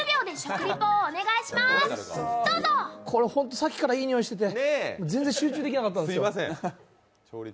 さっきからいい匂いしてて、全然集中できなかったんですよ。